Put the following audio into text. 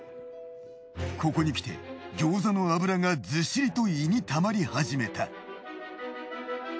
ここにきて餃子の脂がずしりと胃にたまり始めた。